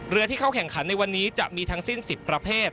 ที่เข้าแข่งขันในวันนี้จะมีทั้งสิ้น๑๐ประเภท